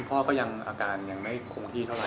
คุณพ่อก็ยังอาการยังไม่คงหี้เท่าไรครับ